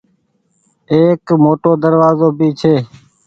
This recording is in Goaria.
ايڪ موٽو دروآزو ڀي ڇي ۔